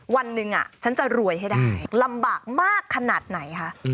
วันหนึ่งถูกออกได้ลำบากมากขนาดไหน